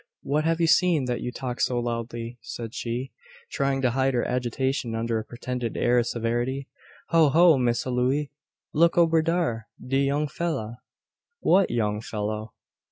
"What have you seen, that you talk so loudly?" said she, trying to hide her agitation under a pretended air of severity, "Ho, ho! Missa Looey look ober dar. De young fella!" "What young fellow?"